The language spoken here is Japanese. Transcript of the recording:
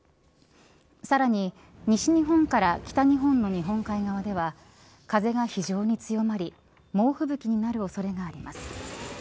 さらに、西日本から北日本の日本海側では風が非常に強まり猛吹雪になる恐れがあります。